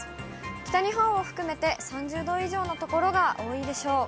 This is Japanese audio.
北日本を含めて３０度以上の所が多いでしょう。